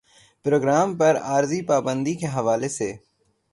programme پر عارضی پابندی کے حوالے سے